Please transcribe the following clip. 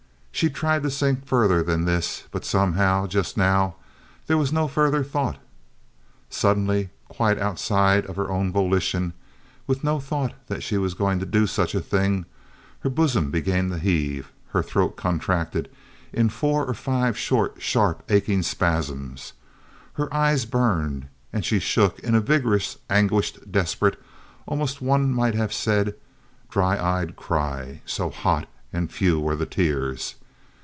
She tried to think further than this, but somehow, just now, there was no further thought. Suddenly quite outside of her own volition, with no thought that she was going to do such a thing, her bosom began to heave, her throat contracted in four or five short, sharp, aching spasms, her eyes burned, and she shook in a vigorous, anguished, desperate, almost one might have said dry eyed, cry, so hot and few were the tears.